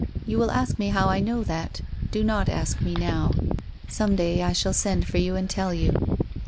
You will ask me how I know that. Do not ask me now. Some day I shall send for you and tell you.